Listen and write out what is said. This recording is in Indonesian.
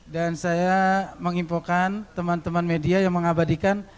dan saya mengimpokkan teman teman media yang mengabadikan